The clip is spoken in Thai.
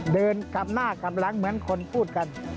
เดินกลับหน้ากลับหลังเหมือนคนพูดกัน